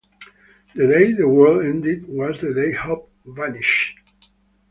The day the world ended was the day hope vanished.